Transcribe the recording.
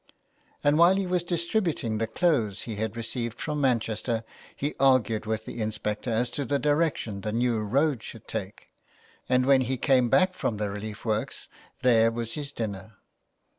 And while he was distributing the clothes he had received from Manchester, he argued with the in spector as to the direction the new road should take ; and when he came back from the relief works, there was his dinner.